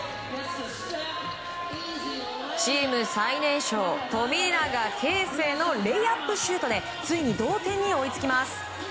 チーム最年少、富永啓生のレイアップシュートでついに同点に追いつきます。